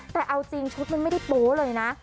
แต่เอาจริงชุดมันไม่ได้โป๊ะเลยนะ